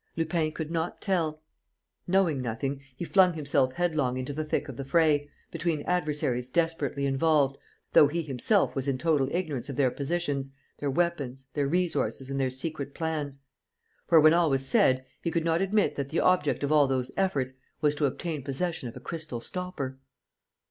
Lupin could not tell. Knowing nothing, he flung himself headlong into the thick of the fray, between adversaries desperately involved, though he himself was in total ignorance of their positions, their weapons, their resources and their secret plans. For, when all was said, he could not admit that the object of all those efforts was to obtain possession of a crystal stopper!